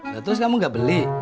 nah terus kamu gak beli